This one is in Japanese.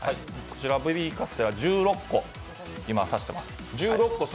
ベビーカステラ１６個、今刺してます。